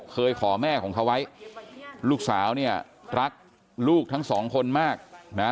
ขอแม่ของเขาไว้ลูกสาวเนี่ยรักลูกทั้งสองคนมากนะ